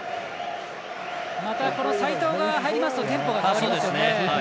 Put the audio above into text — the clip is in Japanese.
また、この齋藤が出ますとテンポが変わりますよね。